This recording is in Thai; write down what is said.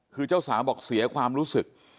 คือเจ้าสาวบอกเสียความรู้สึก